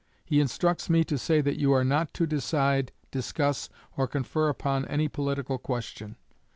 He instructs me to say that you are not to decide, discuss, or confer upon any political question.